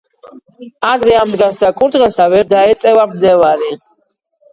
ადრე ამდგარსა კურდღელსა, ვერ დაეწევა მდევარი.